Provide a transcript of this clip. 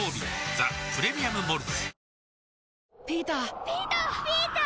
「ザ・プレミアム・モルツ」